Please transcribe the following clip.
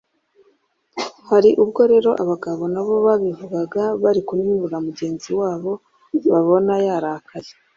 Hari ubwo rero abagabo na bo babivugaga bari kuninura mugenzi wabo babona yarakaye